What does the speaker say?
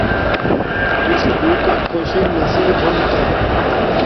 تو شو بوتک خوشنگ نصیب ہونتا